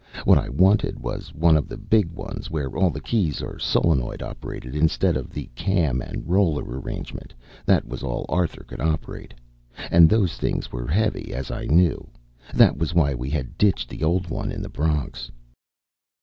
What I wanted was one of the big ones where all the keys are solenoid operated instead of the cam and roller arrangement that was all Arthur could operate. And those things were heavy, as I knew. That was why we had ditched the old one in the Bronx.